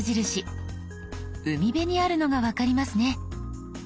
海辺にあるのが分かりますね。